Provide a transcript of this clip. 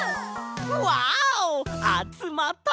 わおあつまった！